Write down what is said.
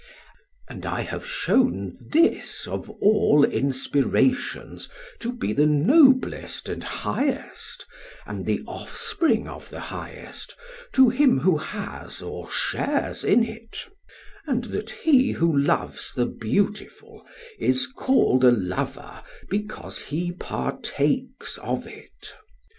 And I have shown this of all inspirations to be the noblest and highest and the offspring of the highest to him who has or shares in it, and that he who loves the beautiful is called a lover because he partakes of it.